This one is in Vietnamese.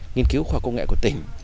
nghiên cứu khoa công nghệ của tỉnh